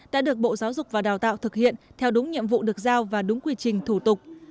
đã được bộ giáo dục và đào tạo thực hiện theo đúng nhiệm vụ được giao và đúng quy trình thủ tục